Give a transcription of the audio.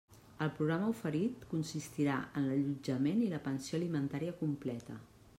El programa oferit consistirà en l'allotjament i la pensió alimentària completa.